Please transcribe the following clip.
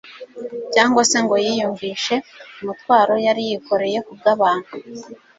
cyangwa se ngo yiyumvishe umutwaro yari yikoreye kubw'abantu.